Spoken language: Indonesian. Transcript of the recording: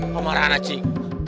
pak marana cik